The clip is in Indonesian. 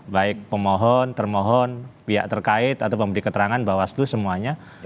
baik pemohon termohon pihak terkait atau pemberi keterangan bawaslu semuanya